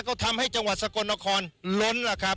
ก็ทำให้จังหวัดสกลนครล้น